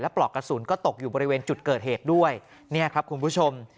ปลอกกระสุนก็ตกอยู่บริเวณจุดเกิดเหตุด้วยเนี่ยครับคุณผู้ชม